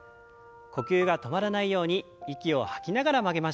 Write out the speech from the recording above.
呼吸が止まらないように息を吐きながら曲げましょう。